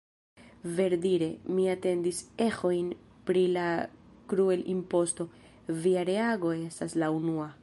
Verdire, mi atendis eĥojn pri la "kruel-imposto", via reago estas la unua.